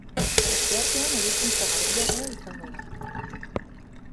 Asteartean hobekuntza garbiagoa izango da.